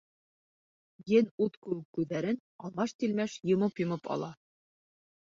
Ен ут кеүек күҙҙәрен алмаш-тилмәш йомоп-йомоп ала.